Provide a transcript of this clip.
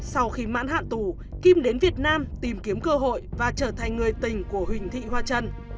sau khi mãn hạn tù kim đến việt nam tìm kiếm cơ hội và trở thành người tình của huỳnh thị hoa trân